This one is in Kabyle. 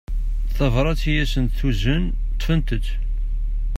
Tabrat i asent-d-tuzen ṭṭfent-tt.